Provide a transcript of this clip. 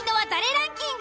ランキング。